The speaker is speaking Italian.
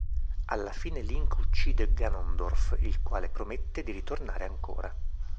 Alla fine Link uccide Ganondorf, il quale promette di ritornare ancora.